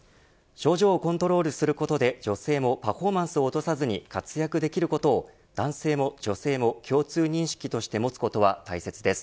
症状をコントロールすることで女性もパフォーマンスを落とさずに活躍できることを男性も女性も共通認識として持つことは大切です。